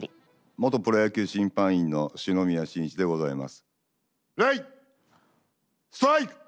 ・元プロ野球審判員の篠宮愼一でございます。